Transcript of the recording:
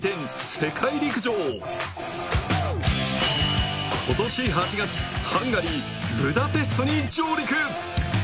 世界陸上今年８月ハンガリーブダペストに上陸